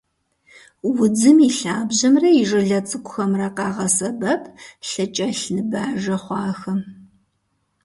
Удзым и лъабжьэмрэ и жылэ цӏыкӏухэмрэ къагъэсэбэп лъыкӏэлъныбажэ хъуахэм.